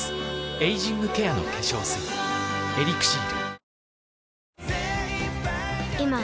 エイジングケアの化粧水ＥＬＩＸＩＲ